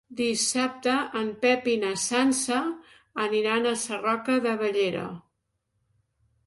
Dissabte en Pep i na Sança aniran a Sarroca de Bellera.